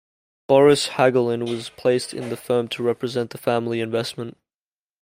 Boris Hagelin was placed in the firm to represent the family investment.